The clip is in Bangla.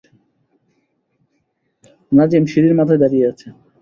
নাজিম সিঁড়ির মাথায় দাঁড়িয়ে আছে।